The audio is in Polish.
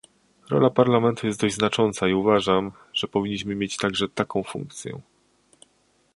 Rola Parlamentu jest dość znacząca i uważam, że powinniśmy mieć także taką funkcję